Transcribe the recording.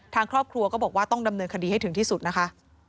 ทางครอบครัวก็บอกว่าต้องดำเนินคดีให้ถึงที่สุดนะคะ